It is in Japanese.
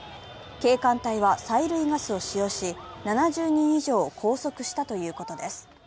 警官隊は催涙がすを使用し７０人以上を拘束したということです。